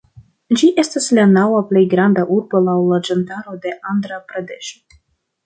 Ĝi estas la naŭa plej granda urbo laŭ loĝantaro de Andra-Pradeŝo.